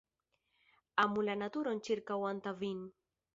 Amu la naturon ĉirkaŭanta vin.